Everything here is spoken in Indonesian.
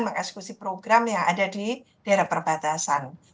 mengeksekusi program yang ada di daerah perbatasan